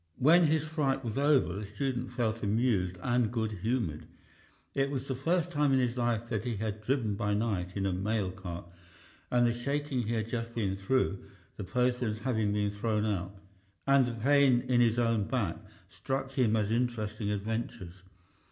When his fright was over the student felt amused and good humoured. It was the first time in his life that he had driven by night in a mail cart, and the shaking he had just been through, the postman's having been thrown out, and the pain in his own back struck him as interesting adventures.